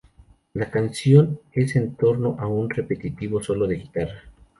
La canción es entorno a un repetitivo solo de guitarra.